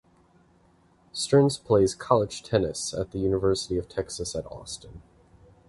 Stearns plays college tennis at the University of Texas at Austin.